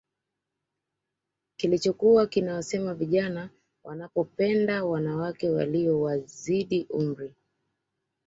Kilichokuwa kinawasema vijana wanaopenda wanawake Walio wazidi umri